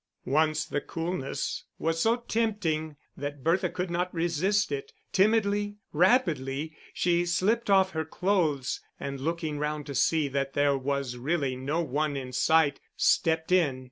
Once the coolness was so tempting that Bertha could not resist it. Timidly, rapidly, she slipped off her clothes and looking round to see that there was really no one in sight, stepped in.